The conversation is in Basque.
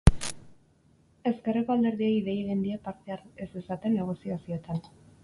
Ezkerreko alderdiei dei egin die parte har ez dezaten negoziazioetan.